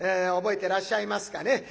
覚えてらっしゃいますかね？